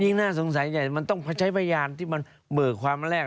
น่าสงสัยใหญ่มันต้องใช้พยานที่มันเบิกความแรก